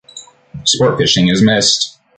Sportfishing is missed.